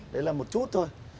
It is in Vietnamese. đấy là một chút thôi